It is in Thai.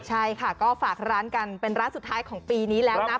ใช่ค่ะก็ฝากร้านกันเป็นร้านสุดท้ายของปีนี้แล้วนะ